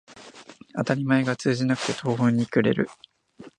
当たり前が通じなくて途方に暮れる